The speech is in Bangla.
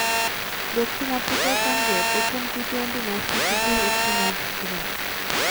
দক্ষিণ আফ্রিকার সঙ্গে প্রথম টি-টোয়েন্টি ম্যাচটি শুধুই একটি ম্যাচ ছিল না।